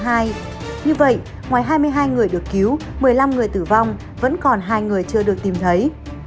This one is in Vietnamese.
như vậy ngoài hai mươi hai người được cứu một mươi năm người tử vong vẫn còn hai người chưa được tìm thấy